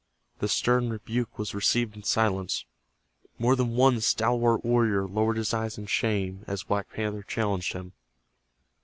The stern rebuke was received in silence. More than one stalwart warrior lowered his eyes in shame as Black Panther challenged him.